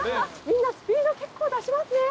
みんなスピード結構出しますね。